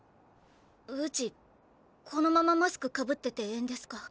うちこのままマスクかぶっててええんですか？